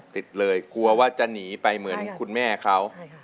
ติดเลยกลัวว่าจะหนีไปเหมือนคุณแม่เขา